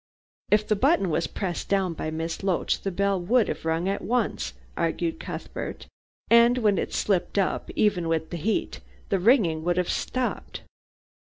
"If the button was pressed down by Miss Loach, the bell would have rung at once," argued Cuthbert; "and when it slipped up, even with the heat, the ringing would have stopped.